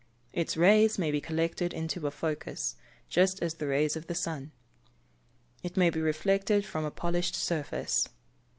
Its rays may be collected into a focus, just as the rays of the sun. It may be reflected from a polished surface.